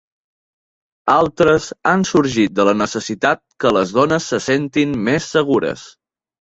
Altres han sorgit de la necessitat que les dones se sentin més segures.